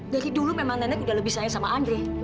dari dulu memang nenek udah lebih sayang sama andre